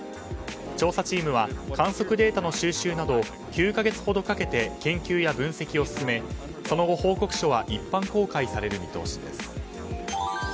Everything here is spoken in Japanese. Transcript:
調査チームは観測データの収集など９か月ほどかけて研究や分析を進めその後、報告書は一般公開される見通しです。